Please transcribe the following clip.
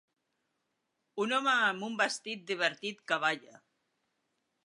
Un home amb un vestit divertit que balla.